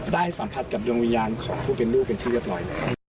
สัมผัสกับดวงวิญญาณของผู้เป็นลูกเป็นที่เรียบร้อยแล้ว